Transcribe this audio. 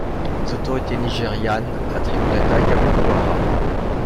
Les autorités nigérianes attribuent l'attaque à Boko Haram.